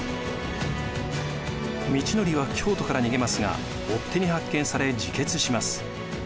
通憲は京都から逃げますが追っ手に発見され自決します。